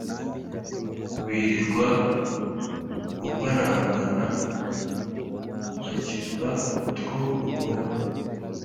wirirwa uparangana ugacyura utwo ubonye